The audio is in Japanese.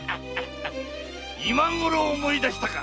今ごろ思い出したか！